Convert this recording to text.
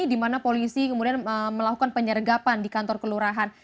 di mana polisi kemudian melakukan penyergapan di kantor kelurahan